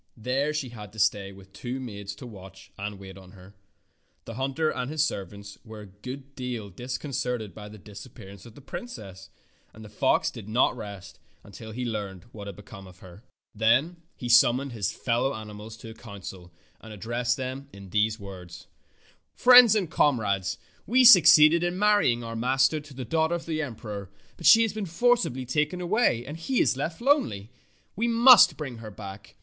There she had to stay with two maids to watch and wait on her. The hunter and his servants were a good deal disconcerted by the disappearance of the princess, and the fox did not rest till he learned what had become of her. Then he 98 Fairy Tale Foxes summoned his fellow animals to a coimcil and addressed them in these words: — ''Friends and comrades, we succeeded in marrying our master to the daughter of the emperor, but she has been forcibly taken away, and he is left lonely. We must bring her back.